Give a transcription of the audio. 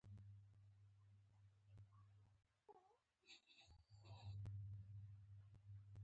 هسې نه چې ګډ په غم وي